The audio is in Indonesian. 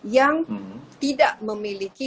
yang tidak memiliki